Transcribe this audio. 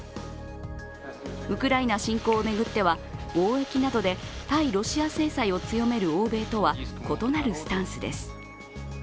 ウクライナ侵攻を巡っては、貿易などで対ロシア制裁を強める欧米とは異なるスタンスです。